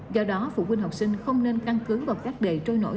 do đó phụ huynh học sinh không nên căn cứ vào các đề trôi nổi